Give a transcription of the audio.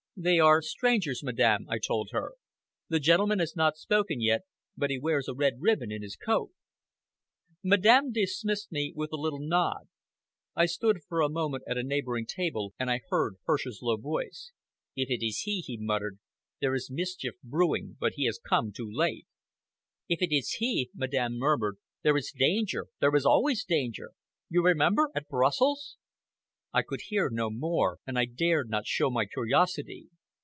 "They are strangers, Madame," I told her. "The gentleman has not spoken yet, but he wears a red ribbon in his coat." Madame dismissed me with a little nod. I stood for a moment at a neighboring table, and I heard Hirsch's low voice. "If it is he," he muttered, "there is mischief brewing, but he has come too late." "If it is he," Madame murmured, "there is danger, there is always danger! You remember at Brussels " I could hear no more, and I dared not show my curiosity.